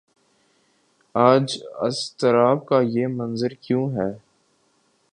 آج اضطراب کا یہ منظر کیوں ہے؟